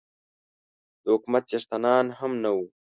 د حکومت څښتنان هم نه وو.